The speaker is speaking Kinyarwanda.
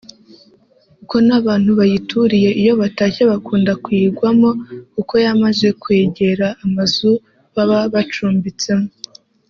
kuko n’abantu bayituriye iyo batashye bakunda kuyigwamo kuko yamaze kwegera amazu baba bacumbitsemo